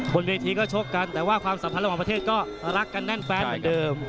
บนเวทีก็ชกกันแต่ว่าความสัมพันธ์ระหว่างประเทศก็รักกันแน่นแฟนเหมือนเดิม